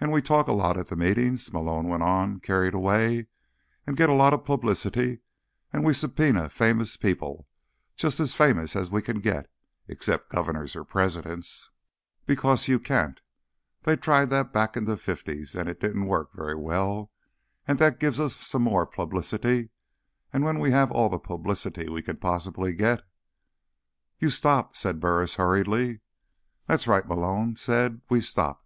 "And we talk a lot at the meetings," Malone went on, carried away, "and get a lot of publicity, and we subpoena famous people, just as famous as we can get, except governors or presidents, because you can't—they tried that back in the Fifties, and it didn't work very well—and that gives us some more publicity, and then when we have all the publicity we can possibly get—" "You stop," Burris said hurriedly. "That's right," Malone said. "We stop.